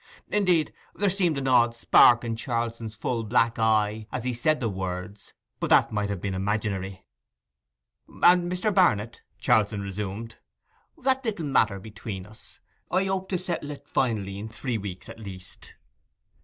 Indeed there seemed an odd spark in Charlson's full black eye as he said the words; but that might have been imaginary. 'And, Mr. Barnet,' Charlson resumed, 'that little matter between us—I hope to settle it finally in three weeks at least.